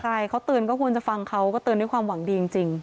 ใช่เขาเตือนก็ควรจะฟังเขาก็เตือนด้วยความหวังดีจริง